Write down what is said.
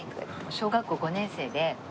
小学校５年生で。